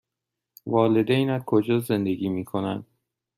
والدینت کجا زندگی می کنند؟